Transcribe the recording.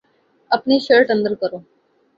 اپنی شرٹ اندر کرو